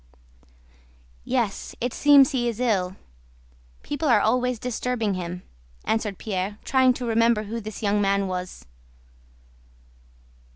"Yes, it seems he is ill. People are always disturbing him," answered Pierre, trying to remember who this young man was.